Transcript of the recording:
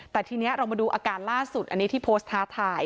แต่ทีนี้เรามาดูอาการล่าสุดอันนี้ที่โพสต์ท้าทาย